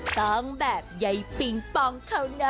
ต้องแบบใยปิงปองเขานะ